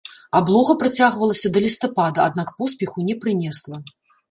Аблога працягвалася да лістапада, аднак поспеху не прынесла.